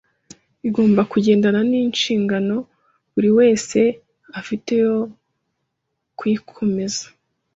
igomba kugendana n’inshingano buri wese afite yo kuyikomeza